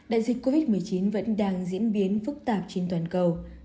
đại dịch covid một mươi chín vẫn đang diễn biến phức tạp trên toàn cầu